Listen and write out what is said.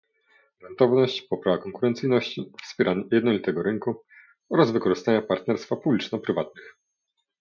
"rentowność, poprawa konkurencyjności, wspieranie jednolitego rynku" oraz wykorzystania partnerstwa publiczno-prywatnych